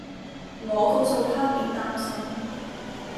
我告訴她別擔心